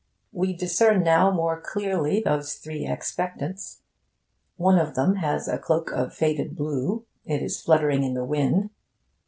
We discern now more clearly those three expectants. One of them has a cloak of faded blue; it is fluttering in the wind.